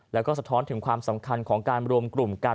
แล้วก็สะท้อนถึงความสำคัญของการรวมกลุ่มกัน